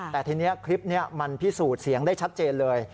แต่ทีนี้คลิปนี้มันพิสูจน์เสียงได้ชัดเจนเลย